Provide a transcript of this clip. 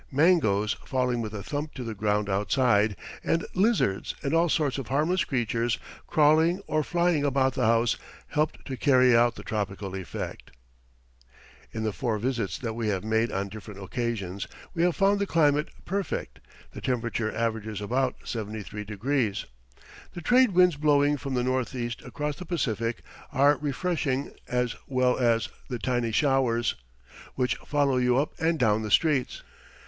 Mangoes falling with a thump to the ground outside, and lizards and all sorts of harmless creatures crawling or flying about the house, helped to carry out the tropical effect. In the four visits that we have made on different occasions we have found the climate perfect; the temperature averages about 73 degrees. The trade winds blowing from the northeast across the Pacific are refreshing as well as the tiny showers, which follow you up and down the streets.